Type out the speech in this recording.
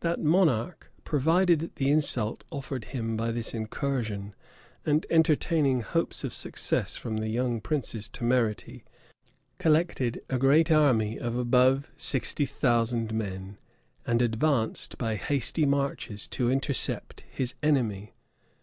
That monarch, provoked at the insult offered him by this incursion, and entertaining hopes of success from the young prince's temerity, collected a great army of above sixty thousand men, and advanced by hasty marches to intercept his enemy.